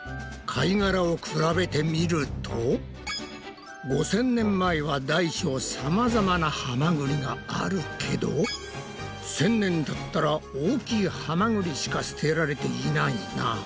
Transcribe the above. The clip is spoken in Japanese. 貝がらを比べてみると５０００年前は大小さまざまなハマグリがあるけど１０００年たったら大きいハマグリしか捨てられていないな！